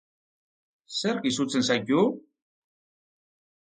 Zerk izutzen zaitu?